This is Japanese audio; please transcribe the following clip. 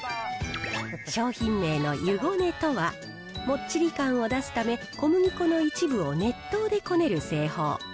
商品名の湯捏とは、もっちり感を出すため、小麦粉の一部を熱湯でこねる製法。